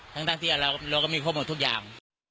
ทั้งที่เราก็มีครบหมดทุกอย่าง